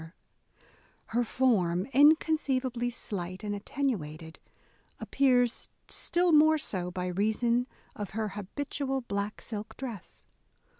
Her form, inconceivably slight and attenuated, appears still more so by reason of her habitual black silk dress.